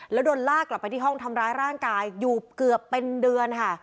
แล้วโดนลากกลับไปที่ห้องทำร้ายร่างกายอยู่เกือบเป็นเดือนค่ะ